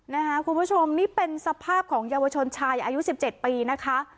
คุณผู้ชมนี่เป็นสภาพของเยาวชนชายอายุ๑๗ปีนะคะ